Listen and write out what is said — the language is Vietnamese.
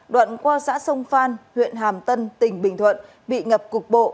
đoạn qua xã sông phan huyện hàm tân tỉnh bình thuận bị ngập cục bộ